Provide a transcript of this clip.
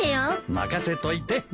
任せといて。